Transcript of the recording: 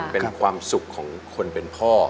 เป็นความสุขของคนเป็นพ่อ